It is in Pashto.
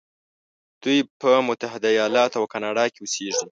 دوی په متحده ایلاتو او کانادا کې اوسیږي.